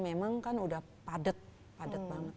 memang kan udah padat padat banget